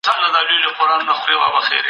هر کله چي ته کتاب لولې، نو نوې پوهه زده کوې.